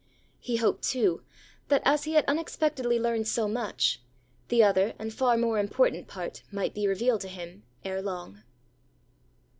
He hoped, too, that as he had unexpectedly learned so much, the other and far more important part might be revealed to him ere long.